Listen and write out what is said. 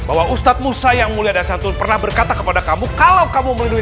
ingat juga bahwa ustadz musa yang mulia dasantun pernah berkata kepada kamu kalau kamu melindungi